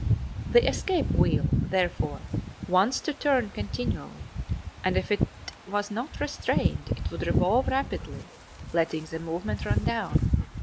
The escape wheel, therefore, wants to turn continually and if it was not restrained it would revolve rapidly, letting the movement run down.